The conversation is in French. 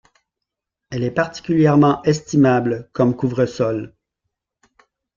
Elle est particulièrement estimable comme couvre-sol.